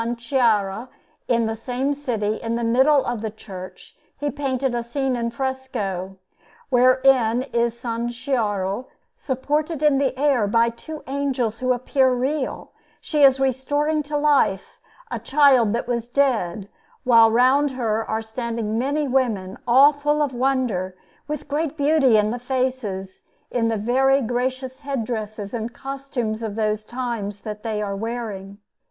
Chiara in the same city, in the middle of the church, he painted a scene in fresco, wherein is S. Chiara supported in the air by two angels who appear real; she is restoring to life a child that was dead, while round her are standing many women all full of wonder, with great beauty in the faces and in the very gracious head dresses and costumes of those times that they are wearing.